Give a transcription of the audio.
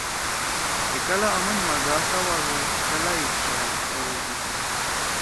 ہے کلا آمن ما گا سوادُو، کلا یی چھأل سوؤدُود۔